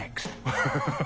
アハハハ